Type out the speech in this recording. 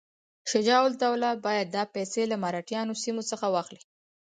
شجاع الدوله باید دا پیسې له مرهټیانو سیمو څخه واخلي.